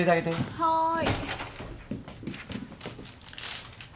はい。